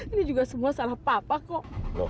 ini juga semua salah papa kok